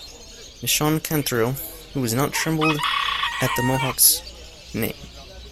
Meshon Cantrill, Who has not trembled at the Mohocks' name?